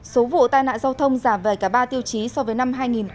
số vụ tai nạn giao thông giảm về cả ba tiêu chí so với năm hai nghìn một mươi tám